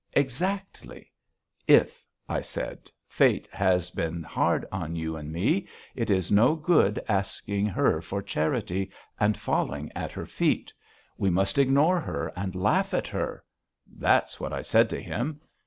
Exactly.... If,' I said, 'fate has been hard on you and me, it is no good asking her for charity and falling at her feet. We must ignore her and laugh at her.' That's what I said to him....